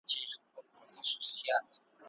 ټول غړي یو ګډ هدف لري.